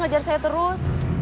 ngajar saya terus